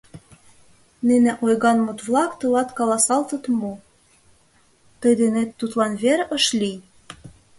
Нине ойган мут-влак тылат каласалтыт мо: «Тый денет Тудлан вер ыш лий»?